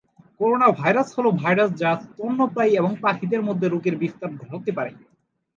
Coronavirus হ'ল virus যা স্তন্যপায়ী এবং পাখি এর মধ্যে রোগের বিস্তার ঘটাতে পারে।